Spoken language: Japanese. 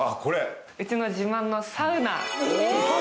うちの自慢のサウナです。